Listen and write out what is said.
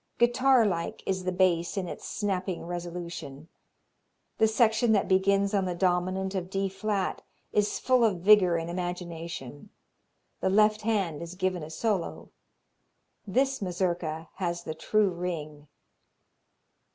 Guitar like is the bass in its snapping resolution. The section that begins on the dominant of D flat is full of vigor and imagination; the left hand is given a solo. This Mazurka has the true ring.